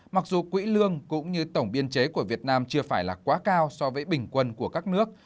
mặc dù quỹ lương cũng như tổng biên chế của việt nam chưa phải là quá cao so với bình quân của các nước